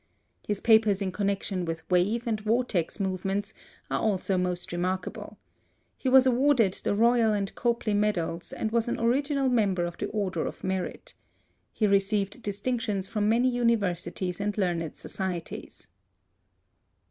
His papers in connection with wave and vortex movements are also most remarkable. He was awarded the Royal and Copley medals and was an original member of the Order of Merit. He received distinctions from many universities and learned societies.